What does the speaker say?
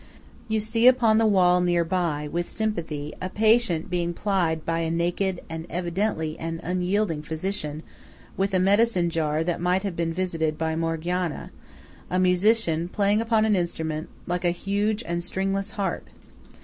You see upon the wall near by, with sympathy, a patient being plied by a naked and evidently an unyielding physician with medicine from a jar that might have been visited by Morgiana, a musician playing upon an instrument like a huge and stringless harp.